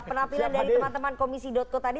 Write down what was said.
penampilan dari teman teman komisi co tadi